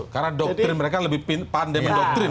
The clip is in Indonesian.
karena doktrin mereka lebih pandai mendoktrin